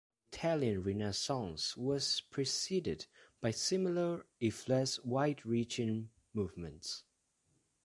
The Italian Renaissance was preceded by similar, if less wide-reaching, movements.